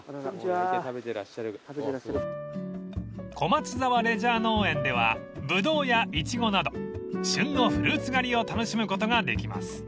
［小松沢レジャー農園ではブドウやイチゴなど旬のフルーツ狩りを楽しむことができます］